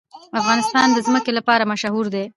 افغانستان د ځمکه لپاره مشهور دی.